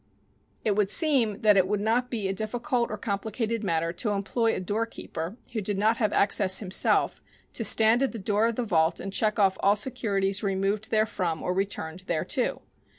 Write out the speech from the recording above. It would seem that it would not be a difficult or complicated matter to employ a doorkeeper, who did not have access himself, to stand at the door of the vault and check off all securities removed therefrom or returned thereto.